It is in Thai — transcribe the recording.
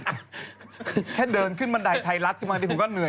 แค่เดินขึ้นบันไดไทยรัฐขึ้นมานี่ผมก็เหนื่อย